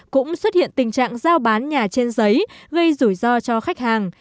cũng xuất hiện tình trạng giao bán nhà trên giấy gây rủi ro cho khách hàng